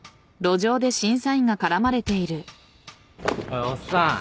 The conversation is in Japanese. おいおっさん